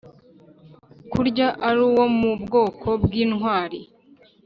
kurya ari uwo mu bwoko bw' intwari;